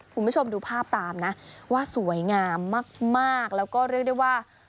คุณผู้ชมดูภาพตามนะว่าสวยงามมากแล้วก็เรียกได้ว่า